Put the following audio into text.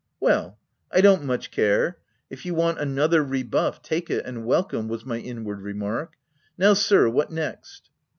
" Well ! I don't much care. If you want another rebuff, take it — and welcome,' ' was my inward remark. " Now sir, what next